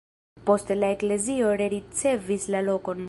Poste la eklezio rericevis la lokon.